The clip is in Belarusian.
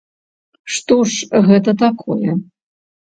Што ж гэта такое?